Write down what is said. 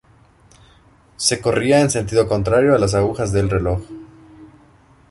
Se corría en sentido contrario a las agujas del reloj.